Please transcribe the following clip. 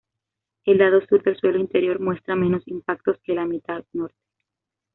El lado sur del suelo interior muestra menos impactos que la mitad norte.